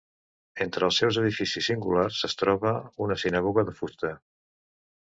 Entre els seus edificis singulars es troba una sinagoga de fusta.